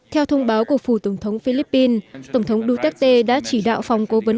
theo thông báo của phủ tổng thống philippines tổng thống duterte đã chỉ đạo phòng cố vấn